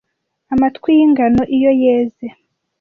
amatwi y'ingano iyo yeze